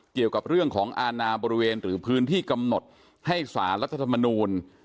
เกี่ยวกับเรื่องของอาณาบริเวณหรือพื้นที่กำหนดให้สารรัฐธรรมนูล